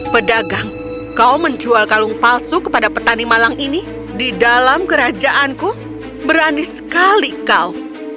pedagang kau menjual kalung palsu kepada petani malang ini di dalam kerajaanku berani sekali kau